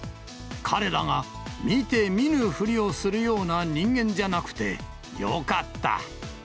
彼らが見て見ぬふりをするような人間じゃなくてよかった。